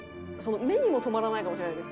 目にも留まらないかもしれないです。